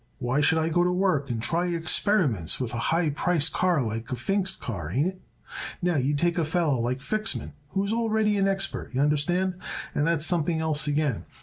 Why should I go to work and try experiments with a high price car like that Pfingst car? Ain't it? Now, you take a feller like Fixman who is already an expert, y'understand, and that's something else again.